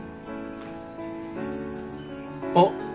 あっ。